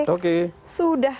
sudah bersih deh